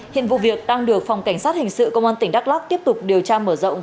hiện vụ việc đang được phòng cảnh sát hình sự công an tỉnh đắk lắc tiếp tục điều tra mở rộng